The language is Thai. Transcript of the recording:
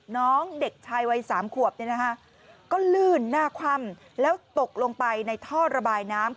น้องเด็กชายวัย๓ขวบก็ลื่นหน้าคว่ำแล้วตกลงไปในท่อระบายน้ำ